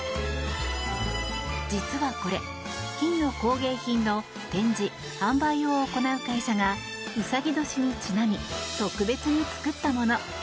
実はこれ、金の工芸品の展示、販売を行う会社がうさぎ年にちなみ特別に作ったもの。